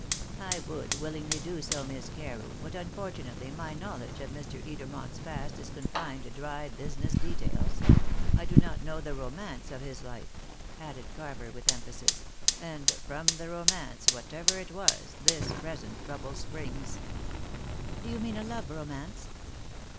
"I would willingly do so, Miss Carew, but unfortunately my knowledge of Mr. Edermont's past is confined to dry business details. I do not know the romance of his life," added Carver with emphasis. "And from the romance, whatever it was, this present trouble springs." "Do you mean a love romance?"